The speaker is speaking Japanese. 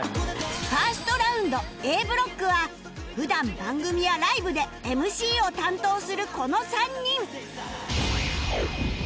１ｓｔ ラウンド Ａ ブロックは普段番組やライブで ＭＣ を担当するこの３人